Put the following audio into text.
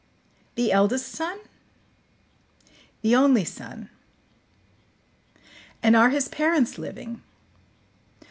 "The eldest son?" "The only son." "And are his parents living?"